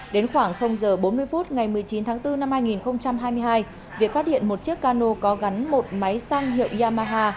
đến khoảng h bốn mươi phút ngày một mươi chín tháng bốn năm hai nghìn hai mươi hai việt phát hiện một chiếc cano có gắn một máy xăng hiệu yamaha